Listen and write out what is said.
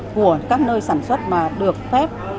của các nơi sản xuất mà được phép